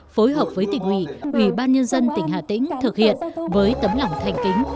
phối hợp với tỉnh ủy ủy ban nhân dân tỉnh hà tĩnh thực hiện với tấm lòng thanh kính